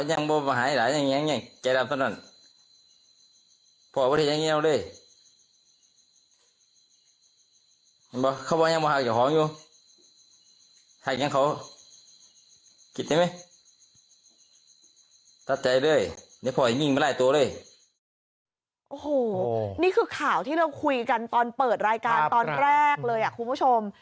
โอ้โหนี่คือข่าวที่เราคุยกันตอนเปิดรายการตอนแรกเลยคุณผู้ชม